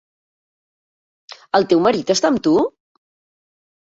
El teu marit està amb tu?